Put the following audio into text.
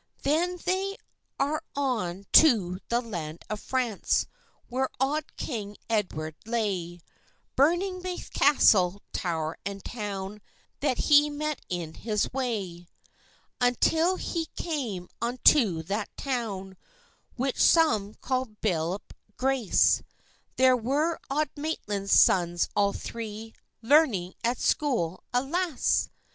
Then they are on to the land of France, Where auld king Edward lay, Burning baith castle, tower, and town, That he met in his way. Until he came unto that town, Which some call Billop Grace: There were Auld Maitland's sons, all three, Learning at school, alas!